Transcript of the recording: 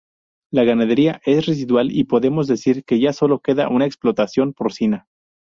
La ganadería es residual y podemos decir que ya solo queda una explotación porcina.